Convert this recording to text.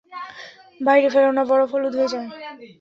বাহিরে ফেলো না বরফ হলুদ হয়ে যায়।